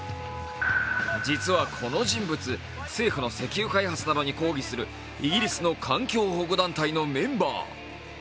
実はこの人物、政府の石油開発などに抗議するイギリスの環境保護団体のメンバー。